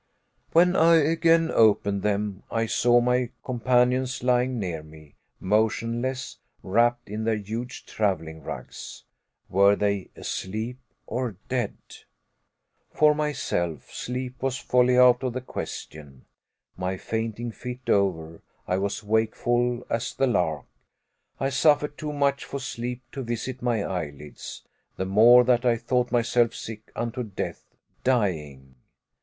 When I again opened them, I saw my companions lying near me, motionless, wrapped in their huge traveling rugs. Were they asleep or dead? For myself, sleep was wholly out of the question. My fainting fit over, I was wakeful as the lark. I suffered too much for sleep to visit my eyelids the more, that I thought myself sick unto death dying.